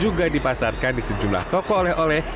juga dipasarkan di sejumlah toko oleh oleh